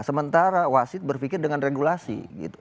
sementara wasid berpikir dengan regulasi gitu